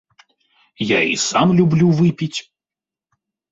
Я і сам люблю выпіць.